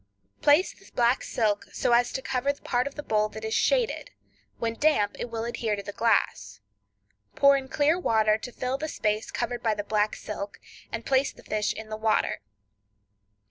Place the black silk so as to cover the part of the bowl that is shaded; when damp it will adhere to the glass. Pour in clear water to fill the space covered by the black silk, and place the fish in the water.